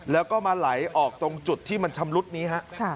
แล้วก็มาไหลออกตรงจุดที่มันชำรุดนี้ฮะ